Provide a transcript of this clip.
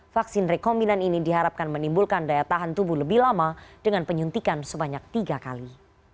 vaksin rekombinan ini diharapkan menimbulkan daya tahan tubuh lebih lama dengan penyuntikan sebanyak tiga kali